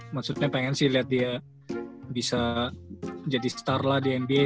maksudnya pengen sih lihat dia bisa jadi star lah di nb